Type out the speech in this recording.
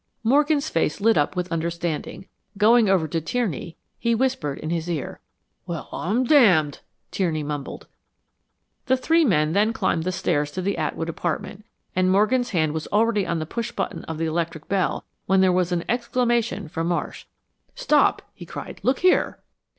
Morgan's face lit up with understanding. Going over to Tierney, he whispered in his ear. "Well, I'm damned!" Tierney mumbled. The three men then climbed the stairs to the Atwood apartment, and Morgan's hand was already on the push button of the electric bell when there was an exclamation from Marsh. "Stop!" he cried. "Look here."